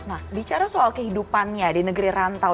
nah bicara soal kehidupannya di negeri rantau